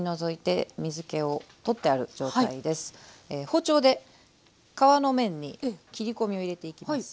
包丁で皮の面に切り込みを入れていきます。